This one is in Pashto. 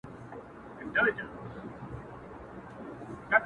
راټول سوی وه مېږیان تر چتر لاندي!.